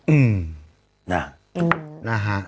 อืมนะฮะก็เป็นเรื่องที่น่าคิด